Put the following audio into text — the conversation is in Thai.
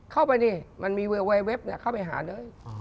เข้าไปนี่มันมีเวอร์ไวเว็บเข้าไปหาเลย